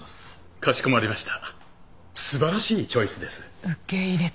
かしこまりました。